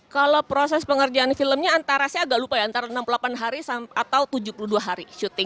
kalau proses pengerjaan filmnya antara saya agak lupa ya antara enam puluh delapan hari atau tujuh puluh dua hari syuting